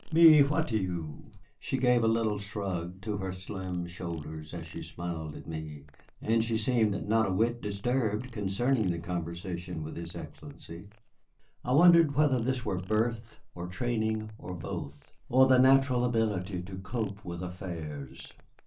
Mais que voulez vous?" She gave a little shrug to her slim shoulders as she smiled at me, and she seemed not a whit disturbed concerning the conversation with his Excellency. I wondered whether this were birth, or training, or both, or a natural ability to cope with affairs.